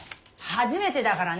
初めてだからね。